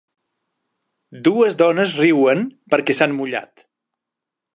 Dues dones riuen perquè s'han mullat.